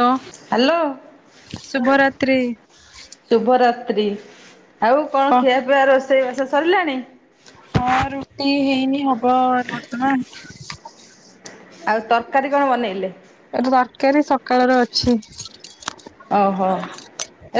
ତ ହାଲୋ ଶୁଭରାତ୍ରି ଶୁଭରାତ୍ରୀ। ଆଉ କଅଁ କ ଖିଆପିଆ ରୋଷେଇବାସ ସରିଲାଣି। ହଁ ରୁଟି ହେଇନି ହବ ବର୍ତ୍ତମାନ୍। ଆଉ ତର୍କାରୀ କଣ ବନେଇଲେ? ଏବେ ବର୍କାରୀ ସକାଳର ଅଛି। ଓହୋ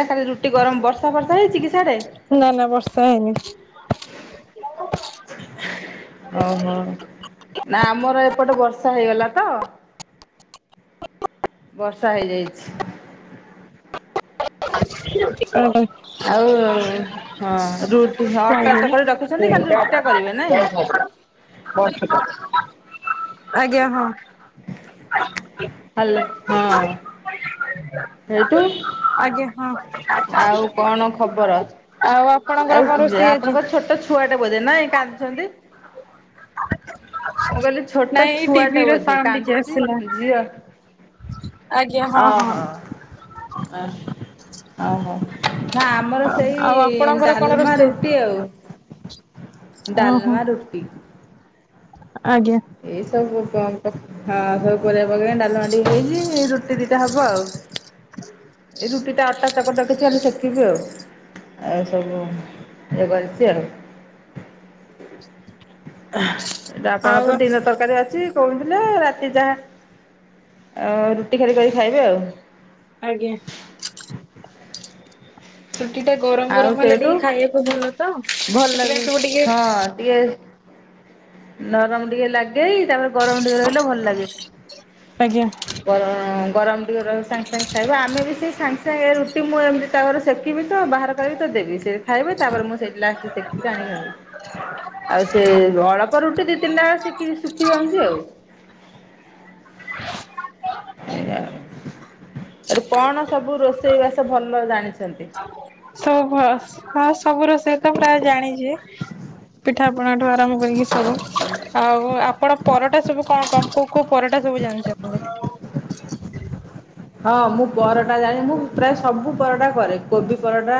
ଏ କାଲି ରୁଟି ଗରମ୍ ବର୍ଷା ଫର୍ଷା ହେଇଚି କି ସିଆଡ଼େ? ନା ନା ବର୍ଷା ହେଇନି। ଓହୋ ନା ଆମର ଏପଟେ ବର୍ଷା ହେଇଗଲା ତ। ବର୍ଷା ହେଇଯାଇଛି। ଯଦି କଣ କହିବ ଆଉ ହଁ ରୁଟି, ଅଟା ଚକଟି ରଖିଛନ୍ତି ଖାଲି ରୁଟି ଟା କରିବେ ନାଇଁ? ବର୍ଷେ କ ଆଜ୍ଞା ହଁ। ହାଲୋ ହଅଁ। ସେଇଠୁ? ଆଜ୍ଞା ହଁ ଆଉ କଣ ଖବର? ଆଉ ଆପଣଙ୍କର ଆଉ କଣ ରୋଷେଇ ଆଜି? ଆପଣଙ୍କ ଛୋଟ ଛୁ ଛୁଆଟେ ବୋଧେ ନା ଏକା ଅଛନ୍ତି? ମୁଁ କଇଲି ଛୋଟ ନାଇଁ ଛୁଆଟେ ଟିଭି ର ବୋଧେ ସାଉଣ୍ଡ ଟିକେ କାନ୍ଦୁଚି ଆସିଲା। ଝିଅ ଆଜ୍ଞା ହଁ ହଁ ଓହୋ ଓହୋ ଓହୋ। ନା ଆମର ଆଉ ସେଇ ଆପଣଙ୍କର କଣ ଡାଲ୍ମା, ରୋଷେଇ? ରୁଟି ଆଉ। ଓହୋ ଡାଲ୍ମା, ରୁଟି। ଆଜ୍ଞା ଏଇ ସବୁ କଣ ହବ। ହାଁ ରହୁ ପାରିବା ପକେଇକି ଡାଲମା ଟିକେ ହେଇଚି ରୁଟି ଦିଇଟା ହବ ଆଉ। ଏଇ ରୁଟି ଟା ଅଟା ଚକଟା କିଛି ହେଲେ ସେକିବି ଆଉ। ଆଉ ସବୁ ଏଇ କରଚି ଆଉ। ହାଁ ଏଟା ଆପଣଙ୍କର ଆଉ ତ ଦୀନ ତରକାରୀ ଅଛି। କହୁଥିଲେ ରାତି ଯାହା ରୁଟି ଖାର କରି ଖାଇବେ ଆଉ। ଆଜ୍ଞା ରୁଟି ଟା ଗରମ୍ ଆଉ ଗରମ୍ ହେଲେ ସେଇଠୁ ଟିକେ ଖାଇଆକୁ ଭଲ ତ ଭଲ ଲାଗେ ସେଥିପାଇଁ ତୁ ଟିକେ ହଁ ଟିକେ ନରମ୍ ଟିକେ ଲାଗେଇ ତାପରେ ଗରମ୍ ଟିକେ ରହିଲେ ଭଲ୍ ଲାଗେ। ଆଜ୍ଞା ଗର ଗରମ୍ ଟିକେ ସାଙ୍ଗେ ସାଙ୍ଗେ ଖାଇବ ଆମେ ବି ସେଇ ସାଙ୍ଗେ ସାଙ୍ଗେ ରୁଟି ମୁଁ ଏମିତ ତାଉଆରେ ସେକ ଶଖିବି ତ ବାହାର କରିକି ତ ଦେବି ସେ ଖାଇବେ ତାପରେ ମୁଁ ସେଠି ଲାଷ୍ଟ କୁ ସେକିକି ଆଣିକି [unintelligible] ଆଉ ତେ ଅଳପ ରୁଟି ଦି ତିନଟା ଶୁକି ଶୁଖି ଯାଉଛି ଆଉ। ଆଇଆ ଆଉ ସେଠୁ କଣ ସବୁ ରୋଷେଇ ବାସ ଭଲ ଜାଣିଛନ୍ତି? ସବୁ ଭ ଆସ୍ ହଁ ସବୁ ରୋଷେଇ ତ ପ୍ରାୟ ଜାଣିଯିବେ ପିଠାପଣା ଠୁ ଆରମ୍ଭ କରିକି ସବୁ। ଉ ଆଉ ଆପଣ ପରଟା ସବୁ କଅଁ କଅଁ କୋଉ କୋଉ ପରଟା ସବୁ ଜାଣିଛନ୍ତି। ହଁ ମୁଁ ପରଟା ଜାଣି ମୁଁ ପ୍ରାୟ ସବୁ ପରଟା କରେ କୋବି ପରଟା,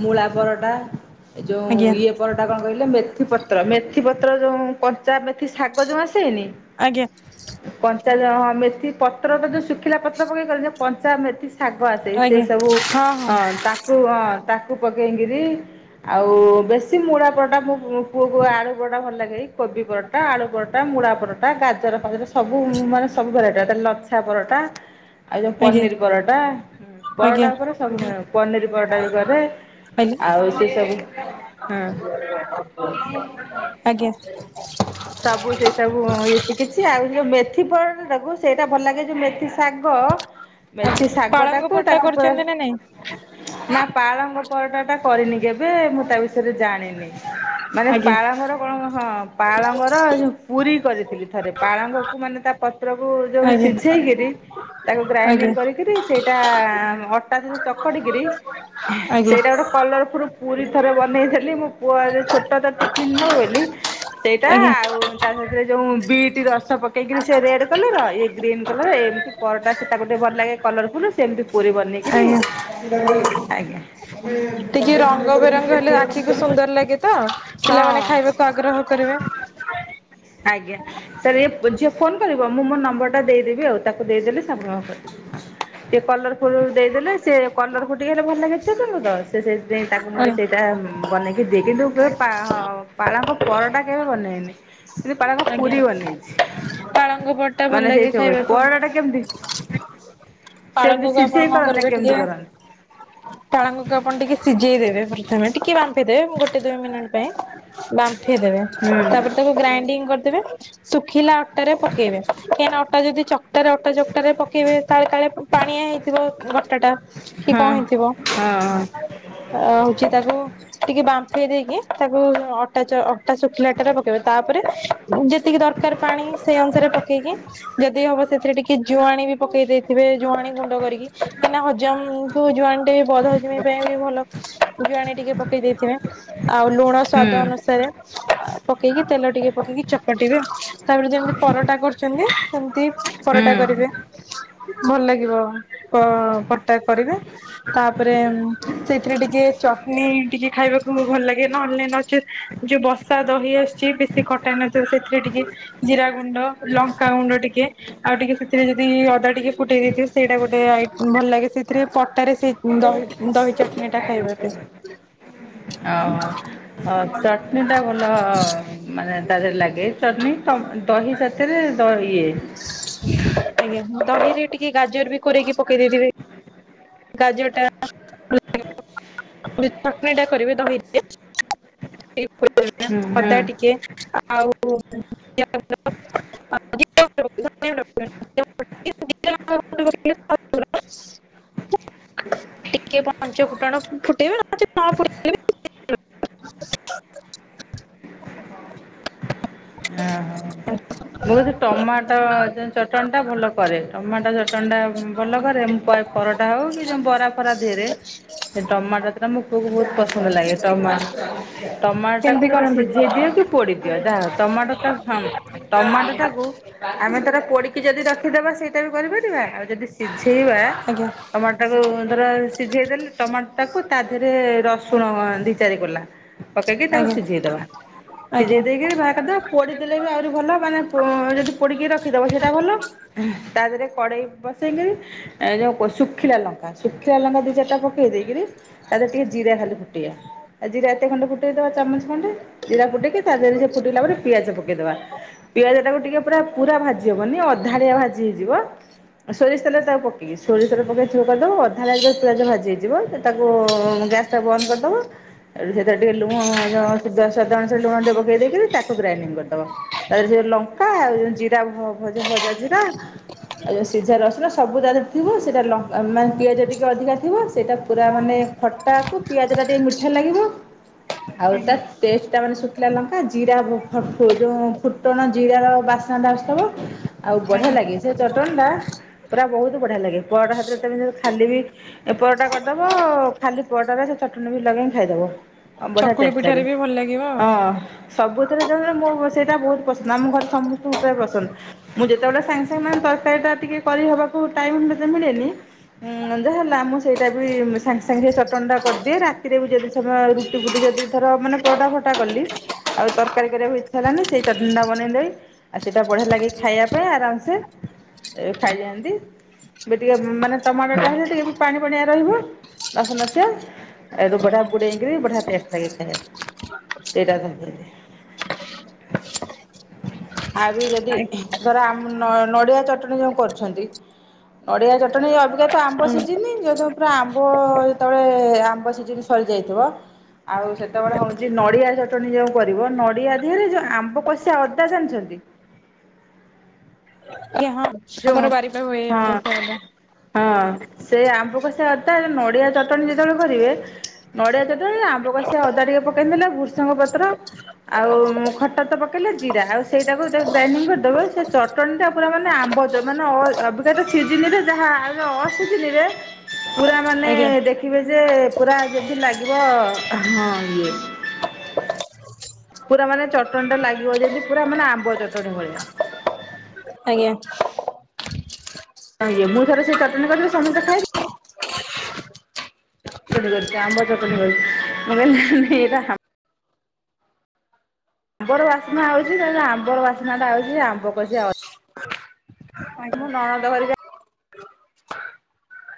ମୂଳା ପରଟା ଏ ଆଜ୍ଞା ଯୋଉ ଇଏ ପରଟା କଣ କହିଲା ମେଥି ପତ୍ର ମେଥି ପତ୍ର ଯୋଉ କଞ୍ଚା ମେଥି ଶାଗ ଯୋଉ ଆସେନି ଆଜ୍ଞା କଞ୍ଚା ଜ ହଁ ମେଥି ପତ୍ର ତ ଯୋଉ ଶୁଖିଲା ପତ୍ର ପକେଇ କଲେ କଞ୍ଚା ମେଥି ଶାଗ ଆସେ ସେ ଆଜ୍ଞା ସବୁ ହଁ ହଁ ଅ ତାକୁ ଅ ତାକୁ ପକେଇକିରି ଆଉ ବେଶୀ ମୂଳା ପରଟା ମୁଁ ମୋ ପୁଅକୁ ଆଳୁ ପରଟା ଭଲ ଲାଗେଇ କୋବି ପରଟା ଟା ଆଳୁ ପରଟା ମୂଳା ପରଟା ଗାଜର ଫାଜର ସବୁ ମାନେ ସବୁ ଭେରାଇଟି ତାେ ଲଛା ପରଟା ଆଉ ଜୋଉ ଆଜ୍ଞା ପନିର୍ ପରଟା ଆଜ୍ଞା ପରଟା ଉପରେ ସବୁ ପନିର ପରଟା ବି କରେ। ଆଉ ସେ ସବୁ ହଁ ପାଇଲି ଆଜ୍ଞା। ଯି କିଛି ଆଉ ଯୋଉ ମେଥି ପରେ [unintelligible] ସେଇଟା ଭଲ ଲାଗେ ଯୋଉ ମେଥି ଶାଗ ମେଥି ଶାଗ ପାଳଙ୍ଗ ଟାକୁ ପରଟା ତାକୁ କରିଛନ୍ତି ନା ନାଇଁ [unintelligible] ନାଁ ପାଳଙ୍ଗ ପରଟା ଟା କରିନି କେବେ ମୁଁ ତା ବିଷୟରେ ଜାଣିନି। ମାନେ ଆଜ୍ଞା ପାଳ ଘର ଆପଣ ହଁ ପାଳଙ୍ଗର ଏ ଯୋଉ ପୁରୀ କରିଥିଲି ଥରେ ପାଳଙ୍ଗକୁ ମାନେ ତା ପ ପତ୍ରକୁ ଯୋଉ ଆଜ୍ଞା ସିଝେଇକିରି ତାକୁ ଆଜ୍ଞା ଗ୍ରାଇଣ୍ଡିଙ୍ଗ୍ କରିକିରି ସେଇଟା ଅଟା ଆ ଅଟା ସହିତ ଚକଟିକିରି ଆଜ୍ଞା ସେଇଟା ଗୋଟେ କଲର ପୁର୍ ପୁରୀ ଥରେ ବନେଇ ଥିଲି ମୋ ପୁଅ ଆଜି ଛୋଟ ତା ଟିଫିନ୍ ନବ ବୋଲି ସେଇଟା ଆଜ୍ଞା ଆଉ ତା ସାଥିରେ ଯୋଉ ବିଟ୍ ରସ ପକେଇକିରି ସେ ରେଡ୍ କଲେର ଇଏ ଗ୍ରୀନ୍ କଲର ଏମିତି ପରଟା ସେ ତାକୁ ଟିକେ ଭଲ ଲାଗେ କଲରଫୁଲ ସେମିତି ପୁରୀ ବନେଇକିରି ଆଜ୍ଞା। ଆଜ୍ଞା। ଟିକେ ରଙ୍ଗବେରଙ୍ଗ ହେଲେ ଆଖିକୁ ସୁନ୍ଦର ଲାଗେ ତ ହଁ ପିଲାମାନେ ଖାଇବା ପାଗ୍ରହ କରିବେ। ଆଜ୍ଞା ସାର୍ ଇଏ ଝିଅ ଫୋନ୍ କରିବ ମୁଁ ମୋ ନମ୍ବର ଟା ଦେଇଦେବି ଆଉ ତା ଦେଇଦେଲେ ସଂଗ୍ରହ କରୁଚି ହୋଉଚି ଟିକେ କଲର ଫୁଲ୍ ଦେଇଦେଲେ ସେ କଲର ଫୁ ଫ୍ରି ହେଲେ ଭଲ ଲାଗିଛ ତମକୁ ତ ସେ ସେଥିପାଇଁ ତାକୁ ମୁ ଆଜ୍ଞା ସେଇଟା ବନେଇକି ଦିଏ କିନ୍ତୁ କେ ପାଁ ହଁ ପାଳଙ୍ଗ ପରଟା କେବେ ବନେଇନି କିନ୍ତୁ ପାଳଙ୍କ ପୁରୀ ଆଜ୍ଞା। ବନେଇଚି। ପାଳଙ୍ଗ ପରଟା ଭଲ ମାନେ ଲାଗେ ସେଇ ସବୁରେ ଖାଇବାକୁ। ପରଡା ଟା କେମିତି? ସେମିତି ପାଳଙ୍ଗକୁ ଆପଣ ସିଝେଇ କଣ କରନ୍ତି ନାଁ କରିବେ ଟିକେ କେମିତି କରନ୍ତି? ପାଳଙ୍ଗକୁ ଆପଣ ଟିକେ ସିଝେଇଦବେ ପ୍ରଥମେ ଟିକେ ବାମ୍ପିଦେବେ ଗୋଟେ ଦୁଇ ମିନିଟ ପାଇଁ ବାମ୍ପଇ ଦେବେ। ତାପରେ ହୁଁ। ତାକୁ ଗ୍ରାଇଡିଙ୍ଗ କରିଦେବେ ଶୁଖିଲା ଅଟାରେ ପକେଇବେ କାଇଁନା ଅଟା ଯଦି ଚ ଟାରେ ଅଟା ଚକଟାରେ ପକେଇବେ ତାଳେ କାଳେ ପାଣିଆ ହେଇଥିବ ବଟା ଟା କି ହଁ କଣ ହେଇଥିବ। ହଁ ହୋଉଚି ତାକୁ ଟିକେ ବାମ୍ଫେଇ ଦେଇକି ତାକୁ ଅ ଅଟା ଚ ଅଟାଚ ଶୁଖିଲା ଟାରେ ପକେଇବା ତାପରେ ଯେତିକି ଦରକାର ପାଣି ସେଇ ଅନୁସାରେ ପକେଇକି ଯଦି ହବ ସେଥିରେ ଟିକେ ଜୁଆଣୀ ବି ପକେଇ ଦେଇଥିବେ ଜୁଆଣି ଗୁଣ୍ଡ କରିକି କାଁକିନା ହଜମକୁୁ ଜୁଆଣି ହେଇ ବଢୋଚି ପାଇଁ ବି ଭଲ ଜୁଆଣି ଟିକେ ପକେଇ ଦେଇଥିବେ। ଆଉ ଲୁଣ ହଁ ସ୍ଵାଦ ହୁଁ ଅନୁସାରେ। ପକେଇକି ତେଲ ଟିକେ ପକେଇକି ଚକଟିବେ। ତାପରେ ଯେମିତି ପରଟା କରୁଚନ୍ତି ସେମିତି ପରଟା ହୁଁ। କରିବେ। ଭଲ ଲାଗିବ ପ-ପରଟା କରିବେ ତାପରେ ସେଥିରେ ଟିକେ ଚଟନୀ ଟିକେ ଖାଇବାକୁ ଭଲ ଲାଗେ ନାହେଲେ ନଚେତ୍ ଯୋଉ ବ ସା ଦହି ଆସୁଚି ବେଶୀ ଖଟା ନଥିବ ସେଥିରେ ଟିକେ ଜିରା ଗୁଣ୍ଡ ଲଙ୍କାଗୁଣ୍ଡ ଟିକେ ଆଉ ଟିକେ ସେଥିରେ ଯଦି ଅଦା ଟିକେ ଫୁଟେଇ ଦେଇଥିବ ସେଇଟା ଗୋଟେ ଭଲ ଲାଗେ ସେଥିରେ ପଟାରେ ସେ ଦହି ଦହି ଚଟଣି ଟା ଖାଇବା ପାଇଁ। ହଁ ଚଟନ୍ନି ଟା ଭଲ ମାନେ ତା ଦେହରେ ଲାଗେ, ଚଟଣୀ ତ ଦହି ସାଥିରେ ଦ-ଇଏ। ଆଜ୍ଞା ଦହିରେ ଟିକେ ଗାଜର ବି କରିକି ପକେଇ ଦେଇଥିବେ। [unintelligible] [unintelligible] ହୁଁ ହଦା ହୁଁ ଟିକେ ଆଉ ଟିକେ ଟିକେ ପହଞ୍ଚ ଫୁଟାଣ ଫୁଟେଇବେ ବି ହ ହ ମୁଁ କହୁଛି ଟମାଟୋ ଚଟଣି ଟା ଭଲ କରେ ଟମାଟୋ ଚଟଣ ଟା ଭଲ କରେ ମୁଁ କ ପରଟା ହଉ କି ଯୋଉ ବରା ଫରା ଦେିହରେ ସେ ଟମାଟର ତା ମୁ ପଅକୁ ବହୁତ ପସନ୍ଦ ଲାଗେ। ଟମା ଟମାଟ ଟାକୁ କେମିତି ତାର କରନ୍ତି? ସିଝେଇ ଦିଅ କି ପୋଡ଼ିଦିଅ ଯାହା ହଛି। ଟମାଟୋଟ [unintelligible] ଟମାଟୋଟାକୁ ଆମେ ତାର ପୋଡିକି ଯଦି ରଖିଦବା ସେଇଟା ବି କରିପାରିବା ଆଉ ଯଦି ସିଝେଇବା ଆଜ୍ଞା ଟମାଟୋକୁ ଧର ସିଝେଇ ଦେଲେ ଟମାଟୋଟାକୁ ତା ଦେହରେ ରସୁଣ ଦି ଚାରି କଲା। ପକେଇକି ତାକୁ ଆଜ୍ଞା ସିଝେଇଦବା ଆଜ୍ଞା ସିଝେଇ ଦେଇକିରି ଭା ପୋଡ଼ିଦେଲେ ବି ଆହୁରି ଭଲ ମାନେ ଯଦି ପୋଡ଼ିକି ରଖିଦବ ସେଇଟା ଭଲ। ତା ଦେହରେ କଡେଇ ବସେଇକରି ଯୋଉ ଶୁଖିଲା ଲଙ୍କା। ଶୁଖିଲା ଲଙ୍କା ଦିଚାରିଟା ଦେଇକରି ତା ଦେରେ ଟିକେ ଜିରା ଖାଲି [unintelligible] ଉ ଜିରା ଏତେ ଖଣ୍ଡେ ଫୁଟେଇଦବା ଚାମଚ ଖଣ୍ଡେ ଜିରା ଫୁେଇକି ତା ଦେହରେ ସେ ଫୁଟେଇଲା ପରେ ପିଆଜ ପକେଇଦବା। ପିଆଜ ଟାକୁ ଟିକେ ପୁରା ପୁରା ଭାଜି ହବନି ଅଧାଳିଆ ଭାଜି ହେଇଯିବ ସୋରିଷ ତେଲ ତାକୁ ପକେଇ, ସୋରିଷ ତେଲ ପକାଇ ଥିବ [unintelligible] କାଦୁ ଅଧାରେ ଯେ ପିଆଜ ଭାଜି ହେଇଯିବ। ତାକୁ ଗ୍ୟାସ୍ ବନ୍ଦ କରିଦବ ଏଠି ସେ ଟିକେ ଲୁଣ [unintelligible] [unintelligible] ଲୁଣ ଟିକେ ପକେଇ ଦେଇକି ତାକୁ ଗ୍ରାଇଣ୍ଡିଙ୍ଗ କରିଦବ ତାରେ ଯଉ ଲଙ୍କା ଆଉ ଜିରା ଭ ଭଜା ଜିରା ଆଉଉଁ ସିଝା ରସୁଣ ସବୁ ତାରେ ଥିବ ସେଇଟା ମାନେ ପିଆଜ ଟିକେ ଅଧିକା ଥିବ ସେଇଟା ପୁରା ମାନେ ଖଟାକୁ ପିଆଜ ଟା ଟିକେ ମିଠା ଲାଗିବ ଆଉ ତା ଆଜ୍ଞା ଟେଷ୍ଟ ଟା ମାନେ ସୁକିଲା ଲଙ୍କା ଜିରା ଯୋଉ ଫୁଟଣ ଜିର ର ବାସ୍ନାଟବ ଆଉ ବଢିଆ ଆଜ୍ଞା। ଲାଗେ। ସେ ଚଟଣୀ ଟା ପୁରା ବହୁତ ବଢ଼ିଆ ଲାଗେ। ପରଟ ହାତରେ ତମ ଖାଲି ବି ଏ ପରଟା କରିଦବ ଖାଲି ପରଟାରେ ସେ ଚଟଣି ବି ଲଗେଇକି ଖାଇଦବ। ବଢିଆ ଚକୁଳି ଟେଷ୍ଟ ପିଠାରେ ଲାଗେ। ବି ଭଲ ଲାଗିବ ଆଉ। ସବୁଥିରେ ଜରେ ମୋ ସେଇଟା ବହୁତ ପସନ୍ଦ ଆମ ଘରେ ସମସ୍ତଙ୍କୁ ପ୍ରାୟ ପସନ୍ଦ। ମୁଁ ଯେତେବେଳେ ସାଙ୍ଗେ ସାଙ୍ଗ ମାନେ ତରକାରୀ ଟା ଟିକେଏ କରିହବାକୁ ଟାଇ ମିଳେନି ଉଁ ଯାହାହେଲା ଆମ ସେଇଟା ବି ସାଙ୍ଗେ ସାଙ୍ଗେ ଚଟଣଟା କରିଦିଏ ରାତିରେ ବି ଯଦି ତ ରୁଟି ଫୁଟି ଯଦି ଥର ମାନେ ପରଟା ଫରଟା କଲି ଆଉ ତରକାରୀ କରିବାକୁ ଇଚ୍ଛା ହେଲାନି ସେଇ ଚଟଣିୀ ଟା ବନେଇ ଦେଇ ଆଉ ସେଇଟା ବଢିଆ ଲାଗେ ଖାଇବା ପାଇଁ ଆରାମସେ ଖାଇଲେନ୍ତି। ଏ ଟିକେ ମାନେ ଟମାଟୋ ଟା ହେଲେ ଟିକେ ବି ପାଣି ପଣିଆ ରହିବ। [unintelligible] [unintelligible] ଆଉ ରୂପଟା ବୁଡେଇକି ବଢ଼ିଆ ଟେଷ୍ଟ ଆଗ ଖାଇବାକୁ। ଆ ବି ଯଦି ଧର ଆମ ନଡିଆ ଚଟଣି ଯୋଉ କରୁଛନ୍ତି ନଡ଼ିଆ ଚଟଣି ଅଭିକତା ଆମ୍ବ ଆଜ୍ଞା ସିଝିନି ଯଦି ପୁରା ଆମ୍ବ ଯେତେବେଳେ ଆମ୍ବ ସିଝିନି ସରିଯାଇଥିବ ଆଉ ସେତବେଳେ ହଉଚି ନଡ଼ିଆ ଚଟଣି ଯେଉଁ କରିବ ନଡିଆ ଦେିହରେ ଯୋଉ ଆମ୍ବ କଷିଆ ଅଦା ଜାଣିଛନ୍ତି। କି ହଁ ଯେଉ ଆମର ବାରିପା ହୁଏ ହଁ ଆମ୍ବସା ଆମ୍ବ। ହଁ ସେ ଆମ୍ବ କ ସେ କଥା ନଡିଆ ଚଟଣି ଯେତେବେଳେ କରିବେ ନଡିଆ ଚଟଣି ଆମ୍ବ କଶିଆ ଅଦା ଟିକେ ପକେଇ ଦେଲା ବୃସଙ୍ଗ ପତ୍ର ଆଉ ଖଟା ତ ପକେଇଲେ ଜିରା ଆଉ ସେଇଟାକୁ ଗ୍ରାଇଣ୍ଡିଙ୍ଗ କରିଦେବ ସେ ଚଟଣି ଟା ପୁର ମାନେ ଆମ୍ବ ମାନେ ଅଭିଜ୍ଞ ସିଝିଲ ଯାହା ଆଉ ଅଝ ନେ ପୁରା ମାନେ ଆଜ୍ଞା ଦେଖ ଖିବେ ଯେ ପୁରା ଯଦି ଲାଗିବ ହଁ ଇଏ ପୁରା ମାନେ ଚଟଣି ଟା ଲାଗିବ ଯେମିତି ପୁରା ମାନେ ଆମ୍ବ ଚଟଣି ଭଳିଆ ଆଜ୍ଞା। ତ ମୁଁ ରେ ସେ ଚଟଣି କରିବି ସମସ୍ତେ ଖାଇ ଛ ଆମ୍ବ ଚଟଣି [unintelligible] ଆମ୍ବର ବାସ୍ନା ହଉଛି ତାଲେ ଆମ୍ବର ବାସ୍ନା ଟା ହଉଛି ଆମ୍ବ କଷିଆ ମୋ ହଉ ନଣନ୍ଦ ଘରିକା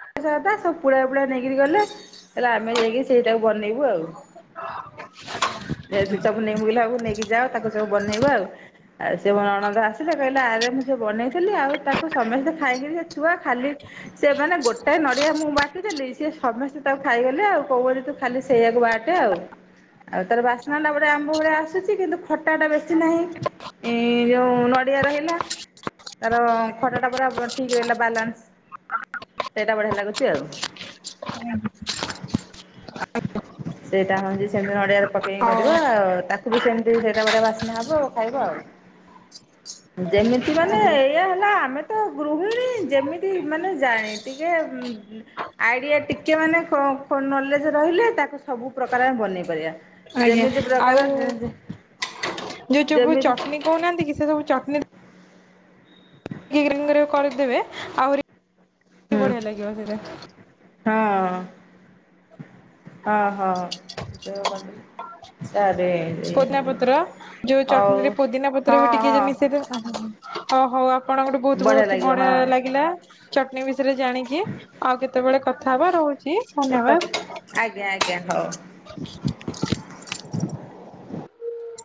[unintelligible] ସବୁ ପୁଳା ପୁଳା ନେଇକିରି ଗଲେ ହେଲେ ଆମେ ଯାଇକି ସେଇଟାକୁ ବନେଇବୁ ଆଉ। [unintelligible] ନେଇକି ଯାଅ ତାକୁ ସବୁ ବନେଇବ ଆଉ। ଆଉ ସେ ମୋ ନଣନ୍ଦ ଆସିଲେ କହିଲେ ଆରେ ମୁଁ ସେ ବନେଇଥିଲି ଆଉ ତାକୁ ସମସ୍ତେ ଖାଇକିରି ସେ ଛୁଆ ଖାଲି ସେମାନେ ଗୋ ସେ ନଡ଼ିଆ ମୁଁ ବାଣ୍ଟିଦେଲି ସିଏ ସମସ୍ତେ ତାକୁ ଖାଇଗଲେ ଆଉ [unintelligible] ତୁ ଖାଲି ସେଇଆକୁ ବାଟେ ଆଉ। ଆଉ ତାର ବାସ୍ନାଟା ଗୋଟେ ଆମ୍ବ ଭଳିଆ ଆସୁଚି କିନ୍ତୁ ଖଟାଟା ବେଶୀ ନାହିଁ। ଏଁ ଯୋଉ ନଡିଆ ରହିଲା ତାର ଖଟାଟା ପୁରା ଠିକ୍ ରହିଲା ବାଲାନ୍ସ। ସେଇଟା ବଢିଆ ଲାଗୁଚି ଆଉ। ସେଇଟା ହଉଚି ସେମିତି ନଡିଆରେ ପକେଇକି କରିବ ଆଉ ତାକୁ ବି ସେମିତି ସେଇଟା ବଢିଆ ବାସ୍ନା ହବ ଆଉ ଖାଇବ ଆଉ। ଯେମିତି ମାନେ ଆଜ୍ଞା। ଏଇଆ ହେଲା ଆମେ ତ ଗୃହିଣୀ ଯେମିତି ମାନେ ଯାଏ ଟିକେ ଉଁ ଆଇଡିଆ ଟିକେ ମାନେ [unintelligible] ନଲେଯେ ରହିଲେ ତାକୁ ସବୁ ପ୍ରକାରେ ଆମେ ବନେଇ ପାରିବା। ଆଜ୍ଞା, ଯେମିତି ପ୍ରକାର ଆଉ ଯୋଉ ଚବୁ ଯେମିତି ଚଟ୍ନି କହୁନାହାନ୍ତି କି ସେ ସବୁ ଚଟ୍ନି [unintelligible] କରିଦେବେ ଆହୁରି ହୁଁ ବଢିଆ ଲାଗିବ ସେଇଟା। ହଁ ହଁ ହଁ। [unintelligible] ପୋଦିନା ପତ୍ର ଯୋଉ ହଉ ଚଟ୍ନିରେ ପୋଦିନା ପତ୍ର ହଁ ବି ଟିକେ ଯଦି ହଁ ମିଶେଇଦେଲେ ଅ ହଉ ଆପଣଙ୍କଟୁ ବହୁତୁ ବଢ଼ିଆ ବହୁତୁ ଲାଗିବ ବଢିଆ ହଁ ଲାଗିଲା। ଚଟ୍ନି ବିଷୟରେ ଜାଣିକି, ଆଉ କେତବେଳେ କଥା ହବା ରହୁଚି। [unintelligible] ଆଜ୍ଞା ଆଜ୍ଞା ହଉ।